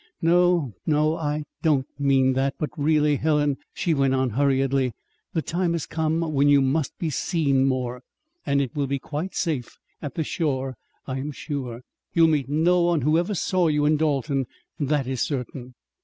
"No, no, I don't mean that. But, really, Helen," she went on hurriedly, "the time has come when you must be seen more. And it will be quite safe at the shore, I am sure. You'll meet no one who ever saw you in Dalton; that is certain."